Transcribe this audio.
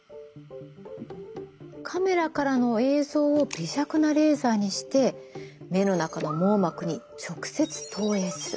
カメラからの映像を微弱なレーザーにして目の中の網膜に直接投影する。